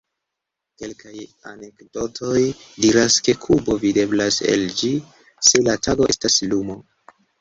Kelkaj anekdotoj diras ke Kubo videblas el ĝi se la tago estas luma.